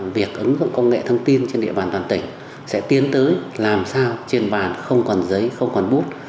việc ứng dụng công nghệ thông tin trên địa bàn toàn tỉnh sẽ tiến tới làm sao trên bàn không còn giấy không còn bút